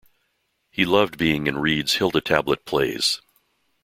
He loved being in Reed's "Hilda Tablet" plays.